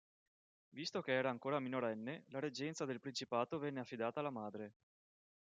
Visto che era ancora minorenne, la reggenza del principato venne affidata alla madre.